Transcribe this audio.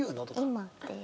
今？っていう。